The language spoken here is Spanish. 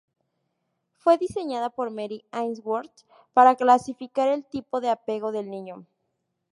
Fue diseñada por Mary Ainsworth para clasificar el tipo de apego del niño.